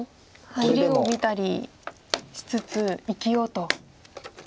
切りを見たりしつつ生きようと。